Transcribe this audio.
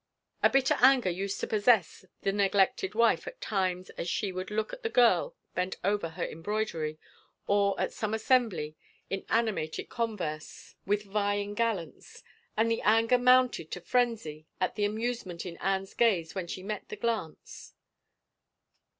A bitter anger used to possess the neglected wife at times as she would look at the girl bent over her embroidery or, at some assembly, in animated converse 97 THE FAVOR OF KINGS with vying gallants, and the anger mounted to frenzy at the amusement in Anne's gaze when she met the glance.